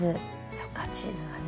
そっかチーズがね。